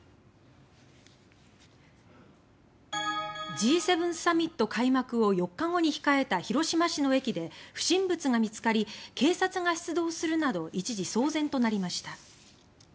Ｇ７サミット開幕を４日後に控えた広島市の駅で不審物が見つかり警察が出動するなど一時騒然となりました。